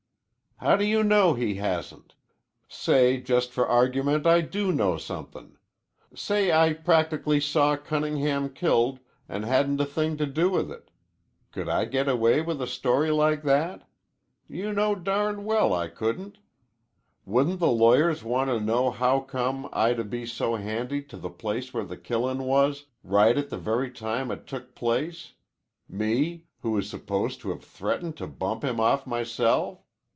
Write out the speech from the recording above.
"How do you know he hasn't? Say, just for argument, I do know somethin'. Say I practically saw Cunningham killed an' hadn't a thing to do with it. Could I get away with a story like that? You know darned well I couldn't. Wouldn't the lawyers want to know howcome I to be so handy to the place where the killin' was, right at the very time it took place, me who is supposed to have threatened to bump him off myself?